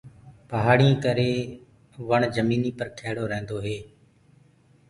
پهآڙينٚ ڪري وڻ جميٚنيٚ پر کيڙو رهيندو هي۔